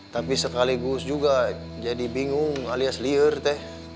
tapi sekaligus juga jadi bingung alias liar tete